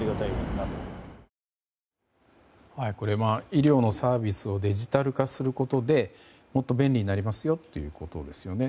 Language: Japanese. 医療のサービスをデジタル化することでもっと便利になりますよということですよね。